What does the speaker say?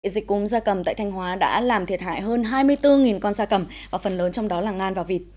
dịch cúm da cầm tại thanh hóa đã làm thiệt hại hơn hai mươi bốn con da cầm và phần lớn trong đó là ngan và vịt